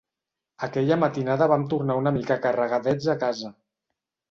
Aquella matinada vam tornar una mica carregadets a casa.